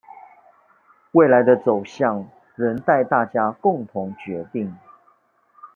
未來的走向仍待大家共同決定